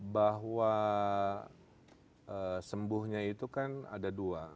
bahwa sembuhnya itu kan ada dua